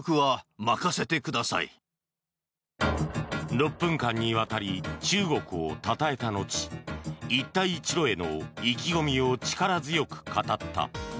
６分間にわたり中国をたたえた後一帯一路への意気込みを力強く語った。